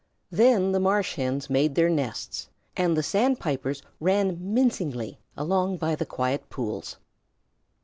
Then the Marsh Hens made their nests, and the Sand pipers ran mincingly along by the quiet pools.